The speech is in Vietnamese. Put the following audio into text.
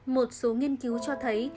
một số nghiên cứu cho thấy